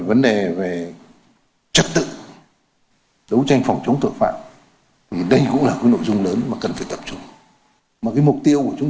vấn đề về trật tự đấu tranh phòng chống tội phạm thì đây cũng là nội dung lớn mà cần phải tập trung